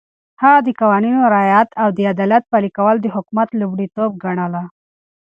هغه د قوانينو رعایت او د عدالت پلي کول د حکومت لومړيتوب ګڼله.